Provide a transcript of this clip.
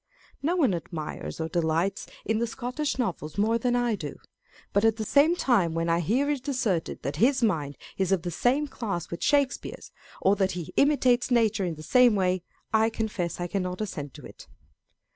No one admires or delights in the Scotch Novels more than I do ; but at the same time when I hear it asserted that his mind is of the same class with Shakespeare's, or that he imitates nature in the same way, I confess I cannot assent to it.